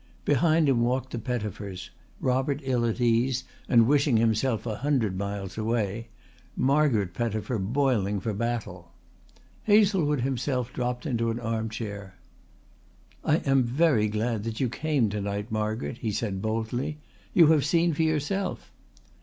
Behind him walked the Pettifers, Robert ill at ease and wishing himself a hundred miles away, Margaret Pettifer boiling for battle. Hazlewood himself dropped into an arm chair. "I am very glad that you came to night, Margaret," he said boldly. "You have seen for yourself."